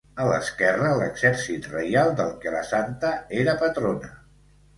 A l'esquerra l'Exèrcit Reial, del que la santa era patrona.